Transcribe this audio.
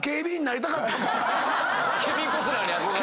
ケビン・コスナーに憧れて？